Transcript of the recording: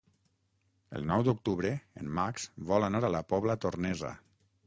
El nou d'octubre en Max vol anar a la Pobla Tornesa.